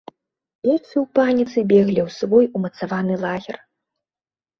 Персы ў паніцы беглі ў свой умацаваны лагер.